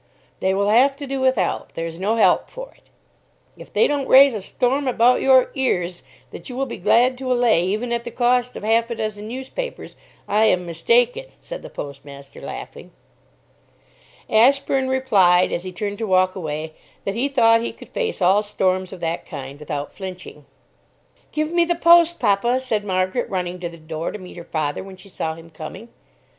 "They will have to do without. There is no help for it." "If they don't raise a storm about your ears that you will be glad to allay, even at the cost of half a dozen newspapers, I am mistaken," said the postmaster, laughing. Ashburn replied, as he turned to walk away, that he thought he could face all storms of that kind without flinching. "Give me the 'Post,' papa," said Margaret, running to the door to meet her father when she saw him coming.